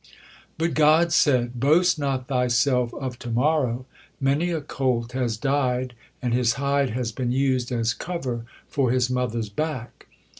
But God said: "'Boast not thyself of to morrow;' many a colt has died and his hide had been used as cover for his mother's back."